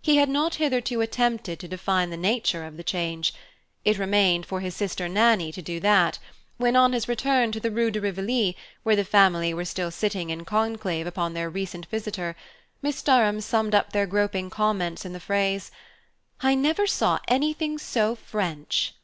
He had not hitherto attempted to define the nature of the change: it remained for his sister Nannie to do that when, on his return to the Rue de Rivoli, where the family were still sitting in conclave upon their recent visitor, Miss Durham summed up their groping comments in the phrase: "I never saw anything so French!"